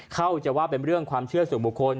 เขาจะว่าเป็นเรื่องความเชื่อส่วนบุคคล